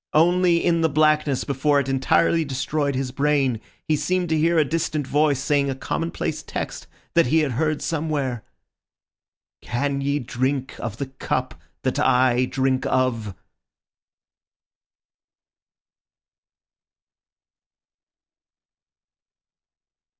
Only in the blackness before it entirely destroyed his brain he seemed to hear a distant voice saying a commonplace text that he had heard somewhere, "Can ye drink of the cup that I drink of?"